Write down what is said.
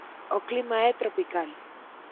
O clima é tropical.